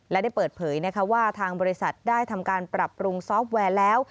และได้เปิดเผยว่าทางบริษัทได้ทำการปรับปรุงซอฟต์แวร์แล้ว